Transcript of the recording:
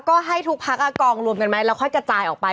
ก็ให้ทุกพักกองรวมกันไหมแล้วค่อยกระจายออกไป